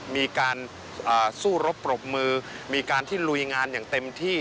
มีการสู้รบปรบมือมีการที่ลุยงานอย่างเต็มที่